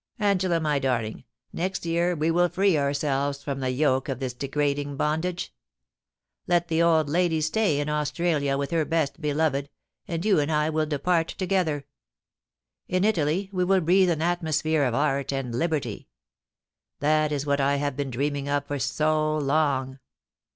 ... Angela, my darling, next year we will free ourselves from the yoke of this degrading bondage. Let the old lady stay in Australia with her best beloved, and you and I will depart together. In Italy we will breathe an atmosphere of art and liberty. This is what I have been dreaming of for so long.